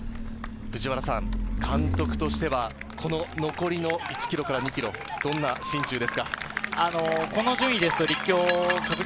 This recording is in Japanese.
監督としては残りの１ｋｍから２ｋｍ、どんな心中ですか？